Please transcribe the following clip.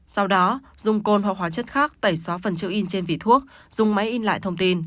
sau đó dùng côn hoặc hóa chất khác tẩy xóa phần chữ in trên vỉ thuốc dùng máy in lại thông tin